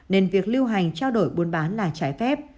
nên việc lưu hành trao đổi buôn bán là trái phép